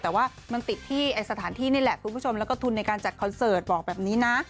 แต่ว่ามันติดที่สถานที่นี่แหละคุณผู้ชมแล้วก็ทุนในการจัดคอนเสิร์ตบอกแบบนี้นะ